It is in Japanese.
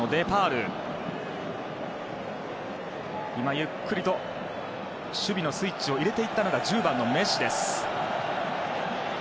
ゆっくりと守備のスイッチを入れていったのは１０番のメッシです。